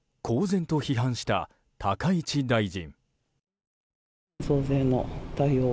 公然と批判した高市大臣。